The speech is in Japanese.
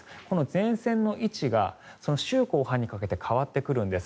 前線の位置が週後半にかけて変わってくるんです。